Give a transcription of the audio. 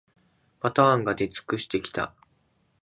パターンが出尽くしてきた